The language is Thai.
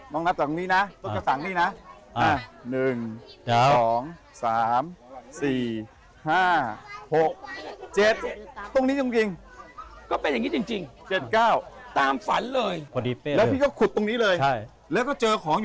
จากต้นกระสังเนี่ยจากตอนนี้ก็เป็นเจ็ดเก้าจริง